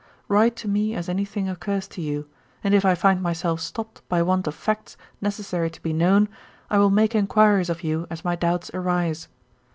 Write to me, as any thing occurs to you; and if I find myself stopped by want of facts necessary to be known, I will make inquiries of you as my doubts arise.